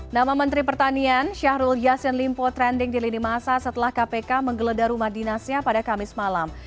nama menteri pertanian syahrul yassin limpo trending di lini masa setelah kpk menggeledah rumah dinasnya pada kamis malam